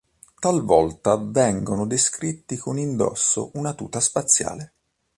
Talvolta vengono descritti con indosso una tuta spaziale.